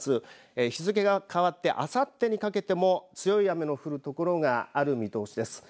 日付が変わってあさってにかけても強い雨の降るところがある見通しです。